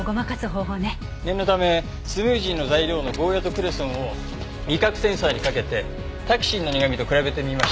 念のためスムージーの材料のゴーヤとクレソンを味覚センサーにかけてタキシンの苦味と比べてみました。